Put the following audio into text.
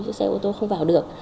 chứ xe ô tô không vào được